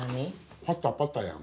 パタパタやん。